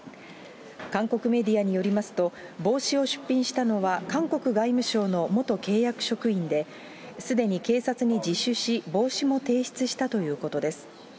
韓国メディアによりますと、帽子を出品したのは、韓国外務省の元契約職員で、すでに警察に自首し、帽子も提出したということです。